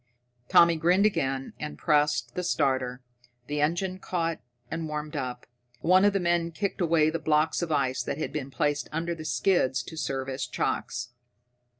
Tommy grinned again and pressed the starter. The engine caught and warmed up. One of the men kicked away the blocks of ice that had been placed under the skids to serve as chocks.